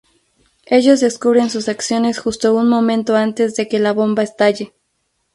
Ellos descubren sus acciones justo un momento antes de que la bomba estalle.